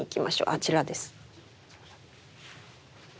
あちらです。